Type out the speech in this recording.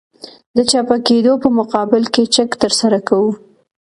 د چپه کېدو په مقابل کې چک ترسره کوو